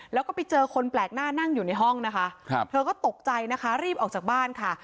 แล้วก็ไปเจอคนแปลกหน้านั่งอยู่ในห้องนะคะเธอก็ตกใจนะคะรีบออกจากบ้านค่ะ